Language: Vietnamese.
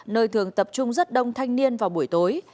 nơi thường tập trung rất đông thanh niên vào buổi tối